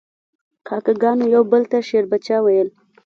کاکه ګانو یو بل ته شیربچه ویل.